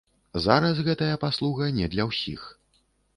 Зараз гэтая паслуга не для ўсіх.